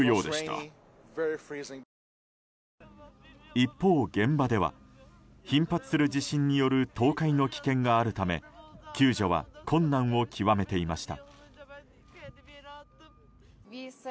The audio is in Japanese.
一方、現場では頻発する地震による倒壊の危険があるため救助は困難を極めていました。